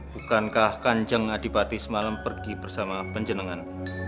bukankah kanjeng adipati semalam pergi bersama penjenengan